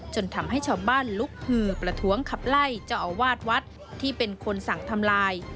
จนทำให้ชาวบ้านลุกหือประท้วงขับไล่เจ้าอาวาสวัดที่เป็นคนสั่งทำลาย